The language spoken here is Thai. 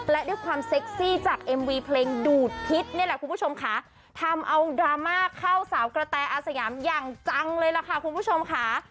และด้วยความเซ็กซี่จากเอ็มวีเพลงดูดพิษนี่แหละคุณผู้ชมค่ะทำเอาดราม่าเข้าสาวกระแตอาสยามอย่างจังเลยล่ะค่ะคุณผู้ชมค่ะ